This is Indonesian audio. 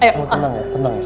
kamu tenang ya